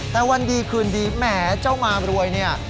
แต่วันดีคืนดีแหมเจ้ามารวยเนี่ย